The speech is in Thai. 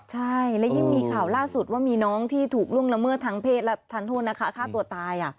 ใช่และยิ่งมีข่าวล่าสุดว่ามีน้องที่ถูกล่วงละเมิดทางเพศและทานโทษนะคะฆ่าตัวตาย